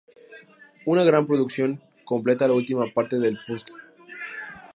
Una gran producción completa la última parte del puzzle.